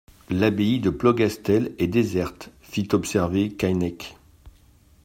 L'abbaye de Plogastel est déserte, fit observer Keinec.